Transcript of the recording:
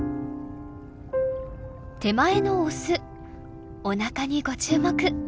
手前のオスおなかにご注目。